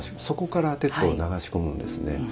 底から鉄を流し込むんですね。